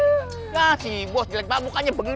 gak sih buat silet pak bukannya begitu